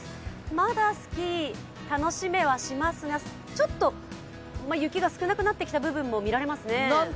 まだスキー楽しめはしますが、雪が少なくなってきた部分も見られますね。